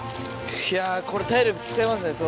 いやこれ体力使いますね相当。